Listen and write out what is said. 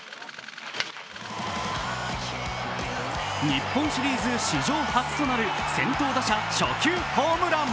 日本シリーズ史上初となる先頭打者初球ホームラン。